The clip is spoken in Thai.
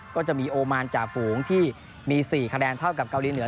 ก็จะมีโอมานจ่าฝูงที่มี๔คะแนนเท่ากับเกาหลีเหนือ